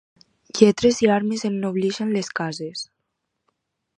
Lletres i armes ennobleixen les cases.